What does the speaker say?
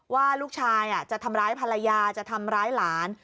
ว่าลูกชายจะทำร้ายภรรยาจะทำร้ายหลาน